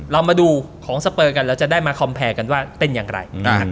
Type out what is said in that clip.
เรามาดูของสเปอร์กันแล้วจะได้มาคอมแพรกันว่าเป็นอย่างไร